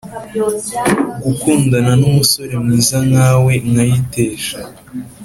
gukundana numusore mwiza nkawe nkayitesha”